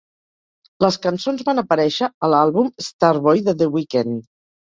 Les cançons van aparèixer a l'àlbum "Starboy" de The Weekend.